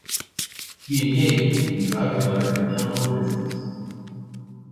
He engaged in dry color and chemical business.